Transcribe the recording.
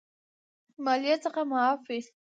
مالیې څخه معاف وي.